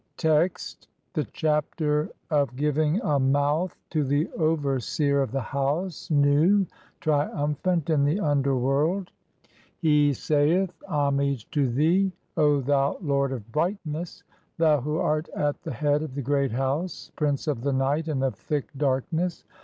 Text : (1) The Chapter of giving a mouth to the over seer OF THE HOUSE, NU, TRIUMPHANT, (2) IN THE UNDERWORLD. He saith :— "Homage to thee, O thou lord of brightness, thou who art at "the head of the Great House, prince of the night and of thick "darkness!